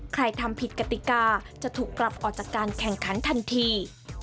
ทำผิดกติกาจะถูกกลับออกจากการแข่งขันทันที